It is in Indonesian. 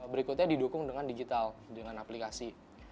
berikutnya didukung dengan digital dengan aplikasi